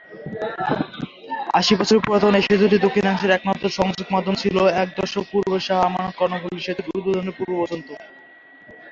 আশি বছরের পুরাতন এ সেতুটি দক্ষিণাংশের একমাত্র সংযোগ মাধ্যম ছিল, এক দশক পূর্বে শাহ আমানত কর্ণফুলী সেতুর উদ্বোধনের পূর্ব পর্যন্ত।